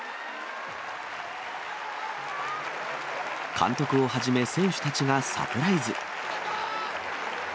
監督をはじめ、選手たちがサプライズ。